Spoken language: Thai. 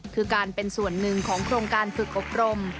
คือการเป็นส่วนหนึ่งของโครงการฝึกอบรม